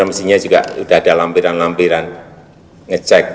dan mestinya juga sudah ada lampiran lampiran ngecek